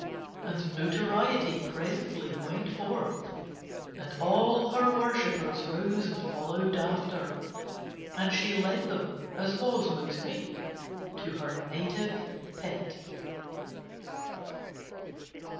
And Notoriety presently went forth and all her worshippers rose and followed after, and she led them, as was most meet, to her native Pit.